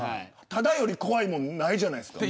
ただより怖いものないじゃないですか。